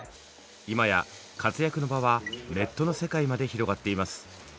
今や活躍の場はネットの世界まで広がっています。